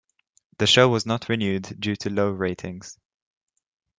The show was not renewed due to low ratings.